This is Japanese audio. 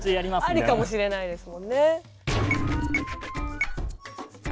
ありかもしれないですもんね。